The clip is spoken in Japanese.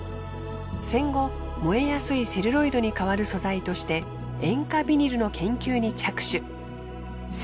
戦後燃えやすいセルロイドに代わる素材として塩化ビニルの研究に着手。